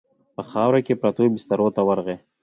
په خاورو کې پرتو بسترو ته ورغی.